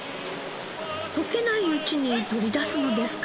溶けないうちに取り出すのですか？